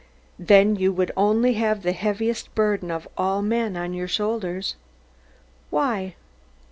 Then you would only have the heaviest burden of all men on your shoulders. Why?